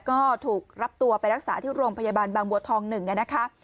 ก็ถูกรับตัวไปรักษาที่โรงพยาบาลบางบัวทอง๑นะคะ